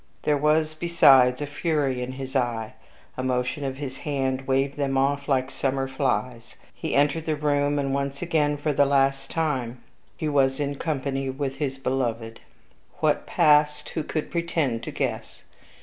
There was, besides, a fury in his eye. A motion of his hand waved them off like summer flies; he entered the room, and once again, for the last time, he was in company with his beloved. What passed who could pretend to guess?